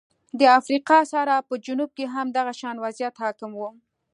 د افریقا صحرا په جنوب کې هم دغه شان وضعیت حاکم و.